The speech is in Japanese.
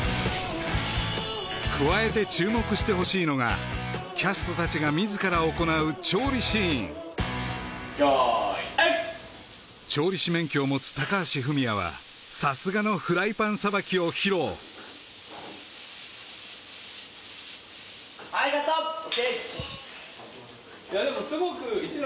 加えて注目してほしいのがキャストたちが自ら行う調理シーン・用意はい調理師免許を持つ高橋文哉はさすがのフライパンさばきを披露・はいカットＯＫ